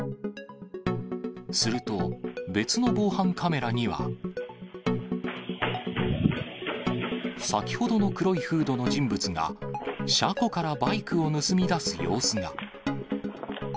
すると、別の防犯カメラには。先ほどの黒いフードの人物が、車庫からバイクを盗み出す様子が。